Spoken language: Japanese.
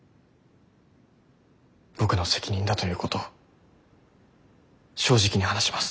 僕の責任だということを正直に話します。